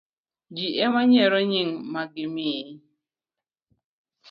Ji ema yiero nying' ma gimiyi.